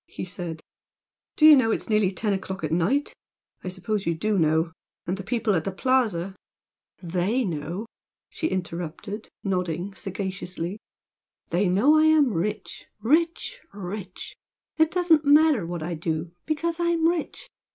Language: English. he said "Do you know it's nearly ten o'clock at night? I suppose you do know! and the people at the Plaza " "THEY know!" she interrupted, nodding sagaciously "They know I am rich rich rich! It doesn't matter what I do, because I am rich!